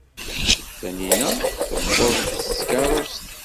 Tanina tuweḍ-d s tkeṛṛust.